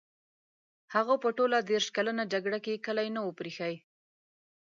هغه په ټوله دېرش کلنه جګړه کې کلی نه وو پرې ایښی.